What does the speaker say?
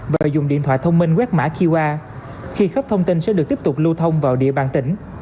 và dùng điện thoại thông minh quét mã qr khi khắp thông tin sẽ được tiếp tục lưu thông vào địa bàn tỉnh